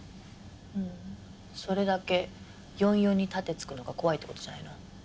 それだけ４４に盾突くのが怖いって事じゃないの？